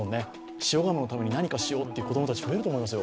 塩釜のために何かしようって子供たち思うと思いますよ。